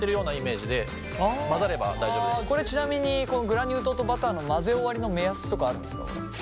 ちなみにこのグラニュー糖とバターの混ぜ終わりの目安とかあるんですかこれ。